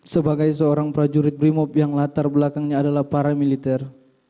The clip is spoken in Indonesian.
sebagai seorang prajurit brimob yang latar belakangnya adalah para militer